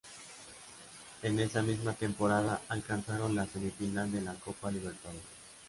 En esa misma temporada alcanzaron la semifinal de la Copa Libertadores.